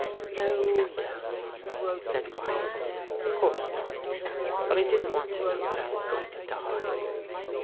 ' No, no,' said Wyatt. ' Of course not. But I didn't want to know that I was going to die.'